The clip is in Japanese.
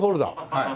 はい。